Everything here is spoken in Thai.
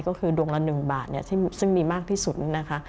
ก็คือดวงละ๑บาทซึ่งมีมากที่สุดนะคะ